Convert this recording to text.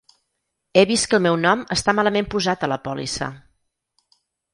He vist que el meu nom està malament posat a la pòlissa.